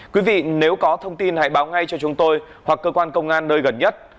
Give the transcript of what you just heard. quý vị nếu có thông tin hãy báo ngay cho chúng tôi hoặc cơ quan công an nơi gần nhất